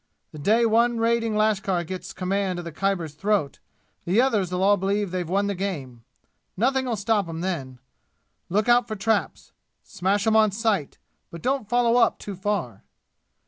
The day one raiding lashkar gets command of the Khyber's throat, the others'll all believe they've won the game. Nothing'll stop 'em then! Look out for traps. Smash 'em on sight. But don't follow up too far!"